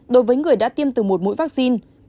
đối với người đã tiêm từ một mũi vaccine